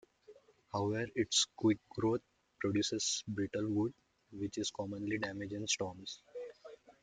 However, its quick growth produces brittle wood, which is commonly damaged in storms.